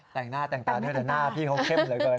แต่งหน้าแต่งตาด้วยแต่หน้าพี่เขาเข้มเหลือเกิน